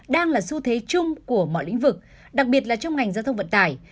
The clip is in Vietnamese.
đang là xu thế chung của mọi lĩnh vực đặc biệt là trong ngành giao thông vận tải